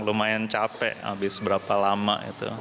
lumayan capek habis berapa lama